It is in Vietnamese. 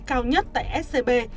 cao nhất tại scb